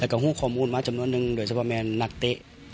และกับห่วงข้อมูลมาจำนวนหนึ่งโดยเฉพาะแม่นักเต๊ะ